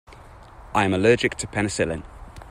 I am allergic to penicillin.